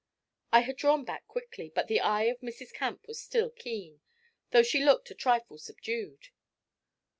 I had drawn back quickly, but the eye of Mrs. Camp was still keen, though she looked a trifle subdued.